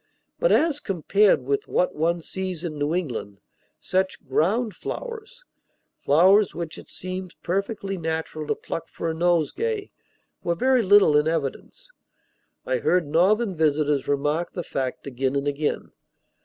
But, as compared with what one sees in New England, such "ground flowers," flowers which it seems perfectly natural to pluck for a nosegay, were very little in evidence. I heard Northern visitors remark the fact again and again.